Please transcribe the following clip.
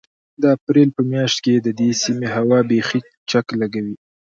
د اپرېل په مياشت کې د دې سيمې هوا بيخي چک لګوي.